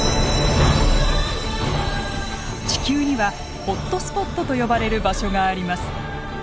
地球にはホットスポットと呼ばれる場所があります。